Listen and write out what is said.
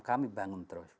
kami bangun terus